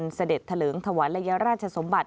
เป็นเสด็จเถลงถวานละเยาว์ราชสมบัติ